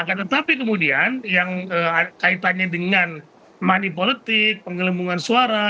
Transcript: nah tetapi kemudian yang kaitannya dengan mani politik penggelembungan suara